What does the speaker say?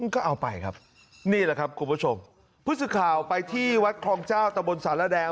ก็เอาไปครับนี่แหละครับคุณผู้ชมผู้สื่อข่าวไปที่วัดคลองเจ้าตะบนสารแดง